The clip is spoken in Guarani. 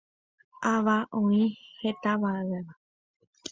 Ãva oĩ hetavéva.